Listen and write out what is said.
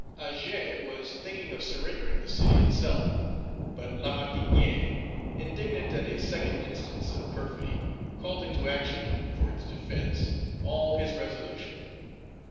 Agé was thinking of surrendering the city itself; but Lamartinière, indignant at a second instance of perfidy, called into action, for its defence, all his resolution.